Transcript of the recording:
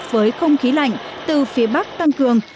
với không khí lạnh từ phía bắc tăng cường